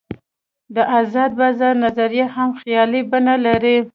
د آزاد بازار نظریه هم خیالي بڼه لري.